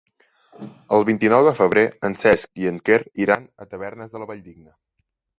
El vint-i-nou de febrer en Cesc i en Quer iran a Tavernes de la Valldigna.